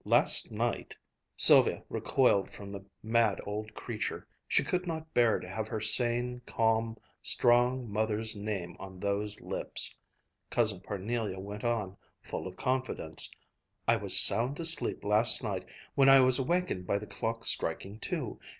Last night " Sylvia recoiled from the mad old creature. She could not bear to have her sane, calm, strong mother's name on those lips. Cousin Parnelia went on, full of confidence: "I was sound asleep last night when I was awakened by the clock's striking two.